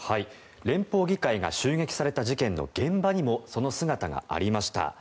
連邦議会が襲撃された事件の現場にも、その姿がありました。